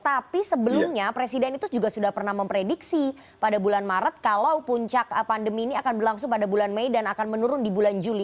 tapi sebelumnya presiden itu juga sudah pernah memprediksi pada bulan maret kalau puncak pandemi ini akan berlangsung pada bulan mei dan akan menurun di bulan juli